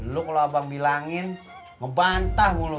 lu kalau abang bilangin ngebantah lu